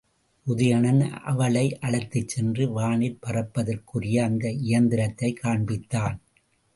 உதயணன் அவளை அழைத்துச் சென்று வானிற் பறப்பதற்குரிய அந்த இயந்திரத்தைக் காண்பித்தான்.